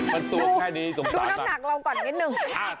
มันตัวแค่นี้สงสารดูน้ำหนักเราก่อนนิดหนึ่ง